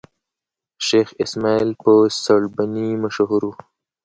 شېخ اسماعیل په سړبني مشهور وو.